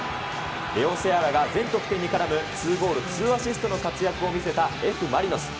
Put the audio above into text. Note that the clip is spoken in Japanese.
レオ・セアラが全得点に絡む、ツーゴールツーアシストの活躍を見せたＦ・マリノス。